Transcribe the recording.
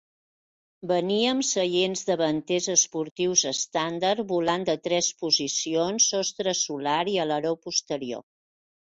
Venia amb seients davanters esportius estàndard, volant de tres posicions, sostre solar i aleró posterior.